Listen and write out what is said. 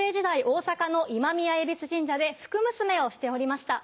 大阪の今宮戎神社で福むすめをしておりました。